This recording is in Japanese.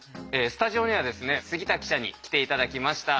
スタジオにはですね杉田記者に来て頂きました。